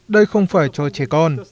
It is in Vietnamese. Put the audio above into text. đây không phải cho trẻ con